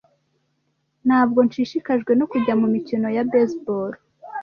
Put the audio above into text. Ntabwo nshishikajwe no kujya mumikino ya baseball.